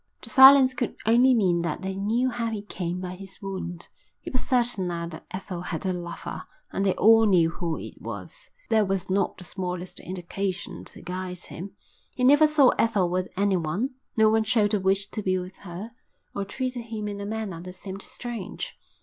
The silence could only mean that they knew how he came by his wound. He was certain now that Ethel had a lover, and they all knew who it was. But there was not the smallest indication to guide him. He never saw Ethel with anyone; no one showed a wish to be with her, or treated him in a manner that seemed strange.